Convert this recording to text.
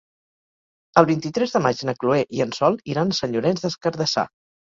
El vint-i-tres de maig na Chloé i en Sol iran a Sant Llorenç des Cardassar.